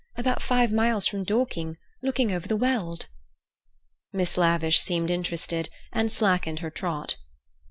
About five miles from Dorking, looking over the Weald." Miss Lavish seemed interested, and slackened her trot.